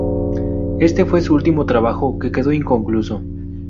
Este fue su último trabajo, que quedó inconcluso.